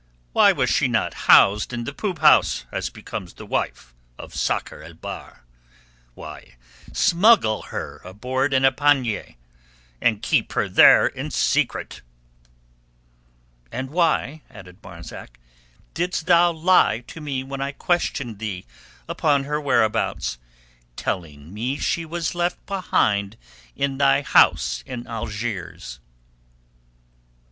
Why was she not housed in the poop house, as becomes the wife of Sakr el Bahr? Why smuggle her aboard in a pannier, and keep her there in secret?" "And why," added Marzak, "didst thou lie to me when I questioned thee upon her whereabouts?—telling me she was left behind in thy house in Algiers?"